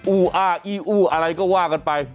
อ้อี้อู้อะไรก็ว่ากันไป